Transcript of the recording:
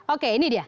oke ini dia